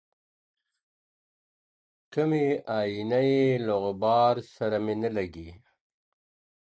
ته مي آیینه یې له غبار سره مي نه لګي.